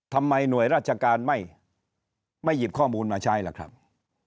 หน่วยราชการไม่หยิบข้อมูลมาใช้ล่ะครับ